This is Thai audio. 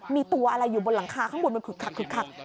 มีตัวอะไรอยู่บนหลังคาข้างบนมันคึกคัก